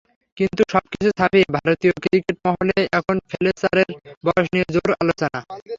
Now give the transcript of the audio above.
কিন্তু সবকিছু ছাপিয়ে ভারতীয় ক্রিকেট মহলে এখন ফ্লেচারের বয়স নিয়ে জোর আলোচনা।